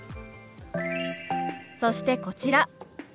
そしてこちら。